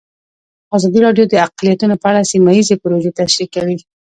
ازادي راډیو د اقلیتونه په اړه سیمه ییزې پروژې تشریح کړې.